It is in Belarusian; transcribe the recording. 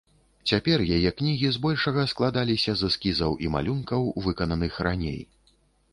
Цяпер яе кнігі збольшага складаліся з эскізаў і малюнкаў, выкананых раней.